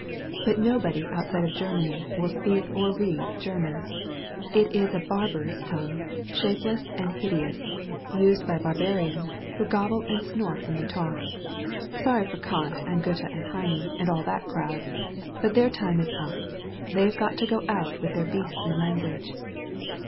But nobody outside of Grer many will speak or read German. It is a barbarous tongue — shapeless and hideous — ^used by barbarians who gobble and snort when they talk. Sorry for Kant and Groethe and Heine and all that crowd, but their time is up; theyVe got to go out with their beastly language